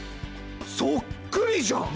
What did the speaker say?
そっくりじゃん！